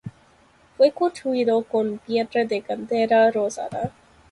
Fue construido con piedra de cantera rosada.